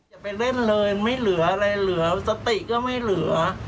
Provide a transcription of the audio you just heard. อย่าไปเล่นเลยไม่เหลืออะไรเหลือสติก็ไม่เหลือ